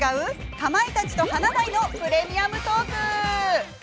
かまいたちと華大の「プレミアムトーク」。